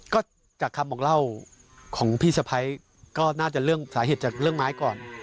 ก็จากคำบอกเล่าของพี่สะพ้ายก็น่าจะเรื่องสาเหตุจากเรื่องไม้ก่อน